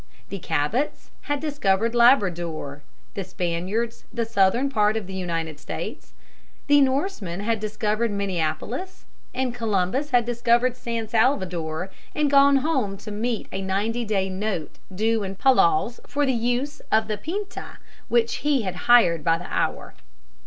The Cabots had discovered Labrador, the Spaniards the southern part of the United States; the Norsemen had discovered Minneapolis, and Columbus had discovered San Salvador and gone home to meet a ninety day note due in Palos for the use of the Pinta, which he had hired by the hour.